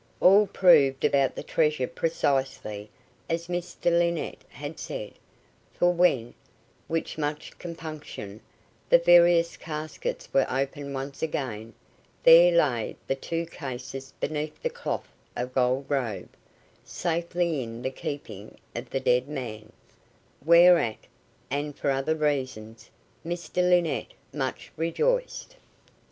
All proved about the treasure precisely as Mr Linnett had said, for when, with much compunction, the various caskets were opened once again, there lay the two cases beneath the cloth of gold robe, safely in the keeping of the dead man, whereat, and for other reasons, Mr Linnett much rejoiced.